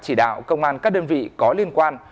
chỉ đạo công an các đơn vị có liên quan